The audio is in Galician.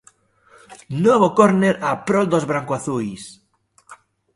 Novo córner a prol dos branco azuis.